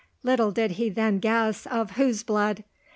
Little did he then guess of whose blood!